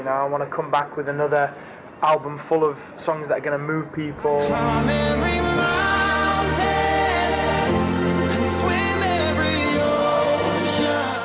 saya ingin kembali dengan album yang penuh dengan lagu yang akan memindahkan orang